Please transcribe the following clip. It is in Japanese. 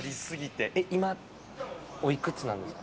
えっ、今おいくつなんですか？